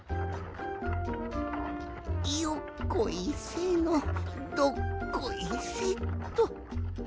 よっこいせのどっこいせっと。